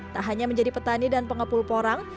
tak hanya menjadi petani dan pengepul porang